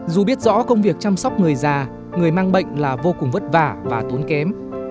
dù biết rõ công việc chăm sóc người già người mang bệnh là vô cùng vất vả và tốn kém